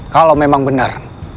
kalau memang benar